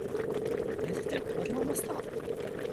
都唔係你錯，道咩歉